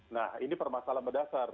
nah ini permasalahan mendasar